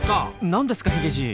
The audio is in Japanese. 何ですかヒゲじい。